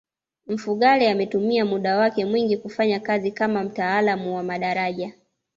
mfugale ametumia muda wake mwingi kufanya kazi kama mtaalamu wa madaraja